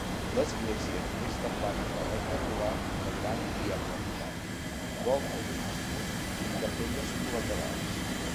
L'església és de planta rectangular de gran diafanitat, volta de mig punt i capelles col·laterals.